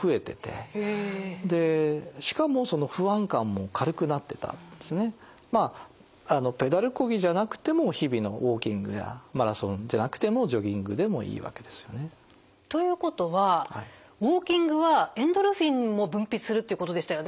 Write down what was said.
例えば国内のある研究ではですねある人たちにまあペダルこぎじゃなくても日々のウォーキングやマラソンじゃなくてもジョギングでもいいわけですよね。ということはウォーキングはエンドルフィンも分泌するということでしたよね。